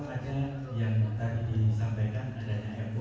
pada lapangan pertama silahkan kalau mau